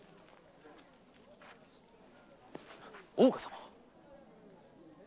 大岡様！